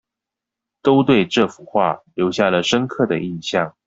都對這幅畫留下了深刻的印象